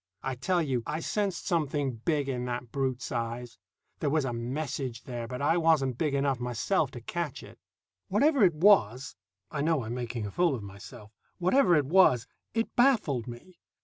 I tell you I sensed something big in that brute's eyes; there was a message there, but I wasn't big enough myself to catch it. Whatever it was (I know I'm making a fool of myself) whatever it was, it baffled me.